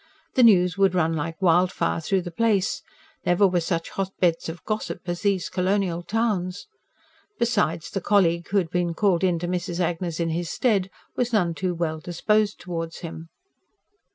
The news would run like wildfire through the place; never were such hotbeds of gossip as these colonial towns. Besides, the colleague who had been called in to Mrs. Agnes in his stead, was none too well disposed towards him.